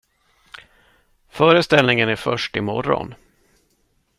Föreställningen är först i morgon.